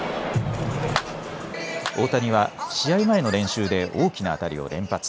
大谷は試合前の練習で大きな当たりを連発。